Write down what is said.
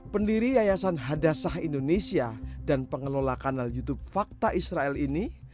pendiri yayasan hadasah indonesia dan pengelola kanal youtube fakta israel ini